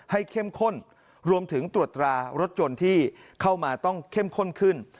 เข้มข้นรวมถึงตรวจตรารถยนต์ที่เข้ามาต้องเข้มข้นขึ้น